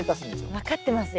分かってますよ。